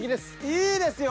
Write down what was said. いいですよ。